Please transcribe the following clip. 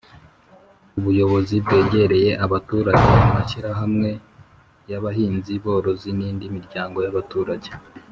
ubuyobozi bwegereye abaturage amashyirahamwe yabahinzi-borozi n'indi miryango y’abaturage